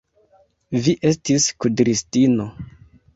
Vi estis kudristino!